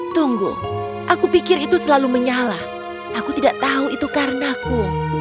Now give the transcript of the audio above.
tunggu aku pikir itu selalu menyala aku tidak tahu itu karenaku